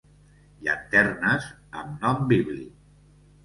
Llanternes amb nom bíblic.